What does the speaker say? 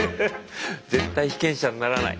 絶対被験者にならない。